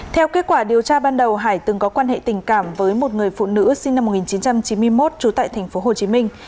theo kết quả điều tra ban đầu hải từng có quan hệ tình cảm với một người phụ nữ sinh năm một nghìn chín trăm chín mươi một trú tại thành phố hồ chí minh